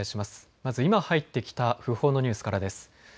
まず今入ってきた訃報のニュースからです。